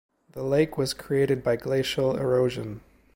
The lake was created by glacial erosion.